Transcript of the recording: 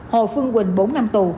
hồ phương quỳnh bốn năm tù